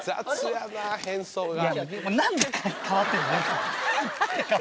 何で変わってんの？なあ。